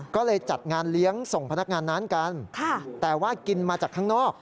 ก็เลยจัดงานเลี้ยงส่งพนักงานร้านกันแต่ว่ากินมาจากข้างนอก